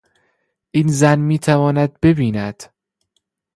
این زن میتواند ببیند.